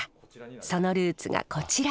そのルーツがこちら。